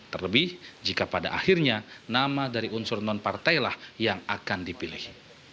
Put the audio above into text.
terlebih jika pada akhirnya nama dari unsur non partailah yang akan dipilih